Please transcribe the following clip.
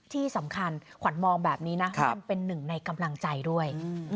ที่สำคัญขวัญมองแบบนี้นะมันเป็นหนึ่งในกำลังใจด้วย